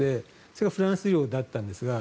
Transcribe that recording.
それがフランス領だったんですが。